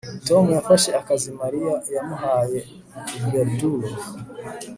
Tom yafashe akazi Mariya yamuhaye verdulo